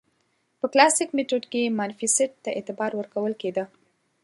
په کلاسیک میتود کې مانیفیست ته اعتبار ورکول کېده.